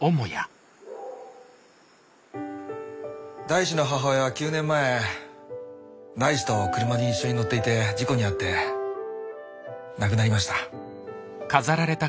大志の母親は９年前大志と車に一緒に乗っていて事故に遭って亡くなりました。